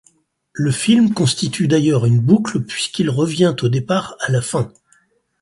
Le film constitue d'ailleurs une boucle puisqu'il revient au départ à la fin.